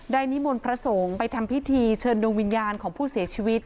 นิมนต์พระสงฆ์ไปทำพิธีเชิญดวงวิญญาณของผู้เสียชีวิต